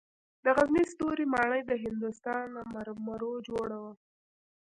د غزني ستوري ماڼۍ د هندوستان له مرمرو جوړه وه